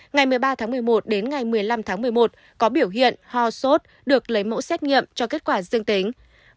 ngày một mươi ba tháng một mươi một đến ngày một mươi năm tháng một mươi một có biểu hiện ho sốt được lấy mẫu xét nghiệm cho kết quả dương tính